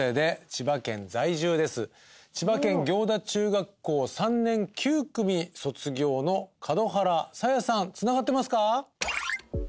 千葉県行田中学校３年９組卒業の門原紗耶さんつながってますか？